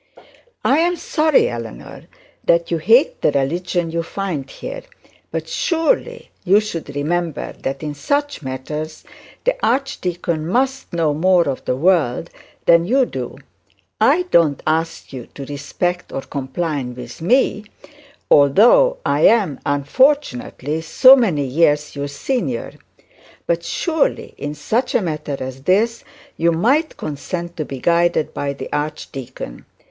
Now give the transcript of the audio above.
'I am sorry, Eleanor, that you hate the religion you find here; but surely you should remember that in such matters the archdeacon must know more of the world than you do. I don't ask you to respect or comply with me, although I am, unfortunately, so many years your senior; but surely, in such a matter as this, you might consent to be guided by the archdeacon.